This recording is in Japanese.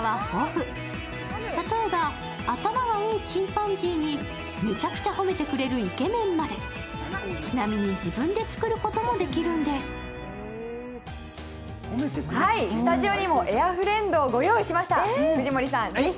例えば頭がよいチンパンジーにめちゃくちゃ褒めてくれるイケメンまでちなみに自分で作ることもできるんです。